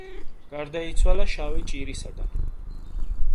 გარდაიცვალა შავი ჭირისაგან.